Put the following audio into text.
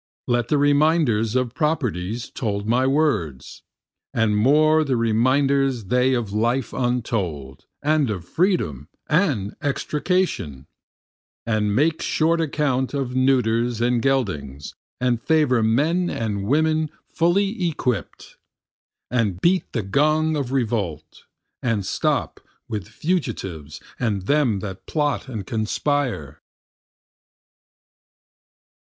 Less the reminders of properties told my words, And more the reminders they of life untold, and of freedom and extrication, And make short account of neuters and geldings, and favor men and women fully equipt, And beat the gong of revolt, and stop with fugitives and them that plot and conspire.